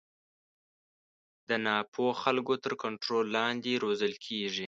د نا پوه خلکو تر کنټرول لاندې روزل کېږي.